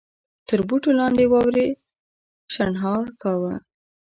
تر بوټو لاندې واورې شڼهار کاوه.